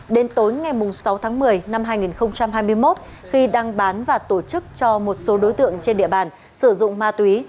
đến tối ngày sáu tháng một mươi năm hai nghìn hai mươi một khi đang bán và tổ chức cho một số đối tượng trên địa bàn sử dụng ma túy